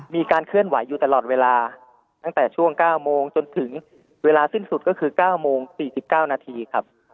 มีการเคลื่อนไหวอยู่ตลอดเวลาตั้งแต่ช่วง๙โมงจนถึงเวลาสิ้นสุดก็คือ๙โมง๔๙นาทีครับ